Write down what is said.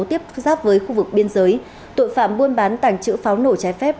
tiếp giáp với khu vực biên giới tội phạm buôn bán tàng trữ pháo nổ trái phép